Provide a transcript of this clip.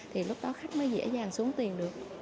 thì lúc đó khách mới dễ dàng xuống tiền được